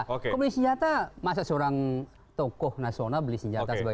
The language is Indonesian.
kalau membeli senjata masa seorang tokoh nasional membeli senjata